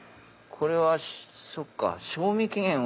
これはそっか。